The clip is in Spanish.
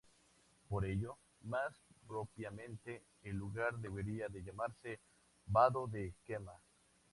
Por ello, más propiamente el lugar debería de llamarse "Vado de Quema".